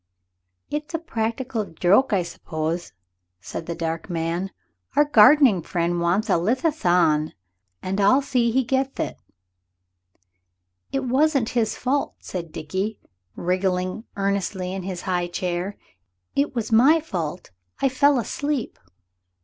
"It'th a practical joke, I shuppothe," said the dark man. "Our gardening friend wanth a liththon: and I'll thee he getth it." "It wasn't his fault," said Dickie, wriggling earnestly in his high chair; "it was my fault. I fell asleep."